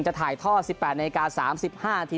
ถ่ายท่อ๑๘นาที๓๕นาที